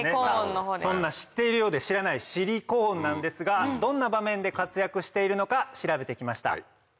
そんな知っているようで知らないシリコーンなんですがどんな場面で活躍しているのか調べてきました。